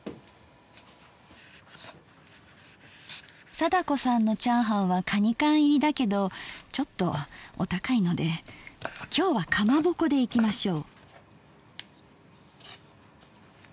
貞子さんのチャーハンはカニ缶入りだけどちょっとお高いので今日は「かまぼこ」でいきましょう。